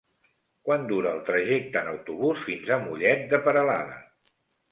Quant dura el trajecte en autobús fins a Mollet de Peralada?